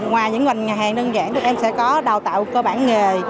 ngoài những ngành hàng đơn giản thì em sẽ có đào tạo cơ bản nghề